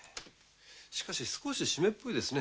しかし少し湿っぽいですね。